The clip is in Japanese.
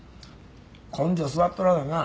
根性座っとらなあな